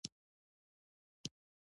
افغانستان په اوږده غرونه باندې تکیه لري.